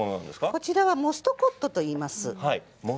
こちらはモストコットといいます。